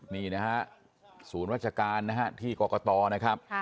นี่นะฮะศูนย์ราชการนะฮะที่กรกตนะครับ